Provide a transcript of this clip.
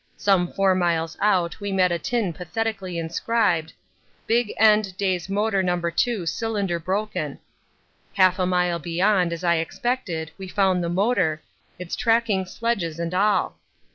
Some 4 miles out we met a tin pathetically inscribed, 'Big end Day's motor No. 2 cylinder broken.' Half a mile beyond, as I expected, we found the motor, its tracking sledges and all.